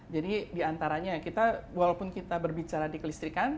jadi diantaranya kita walaupun kita berbicara di kelistrikan